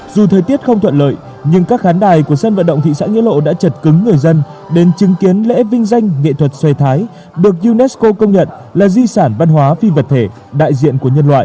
dù thời tiết không thuận lợi nhưng các khán đài của sân vận động thị xã nghĩa lộ đã chật cứng người dân đến chứng kiến lễ vinh danh nghệ thuật xoay thái được unesco công nhận là di sản văn hóa phi vật thể đại diện của nhân loại